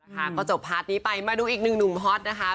ค่ะก็จบพาร์ทนี้ไปมาดูอีกหนึ่งหนุ่มฮอตนะคะ